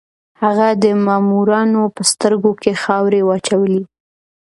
هغه د مامورانو په سترګو کې خاورې واچولې.